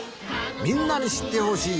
みんなにしってほしい